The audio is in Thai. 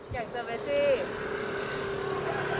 อยากเจอแอซี่